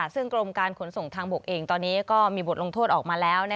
ซึ่งกรมการขุนส่งทางบกเองมีบทลงโทษออกมาแล้ว